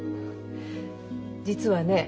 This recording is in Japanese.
実はね。